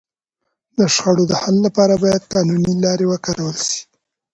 د شخړو د حل لپاره باید قانوني لاري وکارول سي.